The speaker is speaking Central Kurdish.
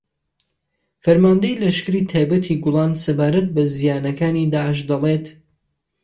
ەرماندەی لەشکری تایبەتی گوڵان سەبارەت بە زیانەکانی داعش دەڵێت